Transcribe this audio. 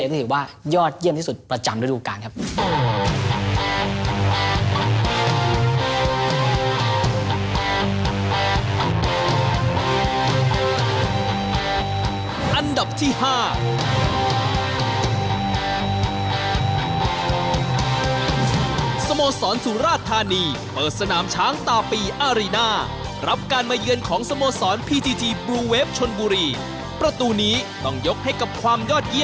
คือว่ายอดเยี่ยมที่สุดประจำด้วยลูกกา